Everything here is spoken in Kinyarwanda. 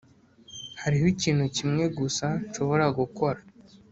hariho ikintu kimwe gusa nshobora gukora,